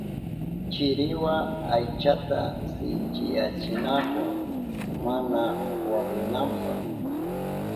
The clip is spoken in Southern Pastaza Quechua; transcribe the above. Chiriwa aychata sinchiyachinahun mana waklinanpa.